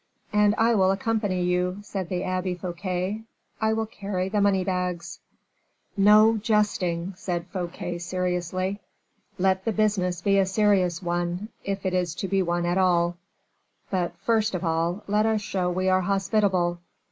"And I will accompany you," said the Abbe Fouquet; "I will carry the money bags." "No jesting," said Fouquet, seriously; "let the business be a serious one, if it is to be one at all. But first of all, let us show we are hospitable.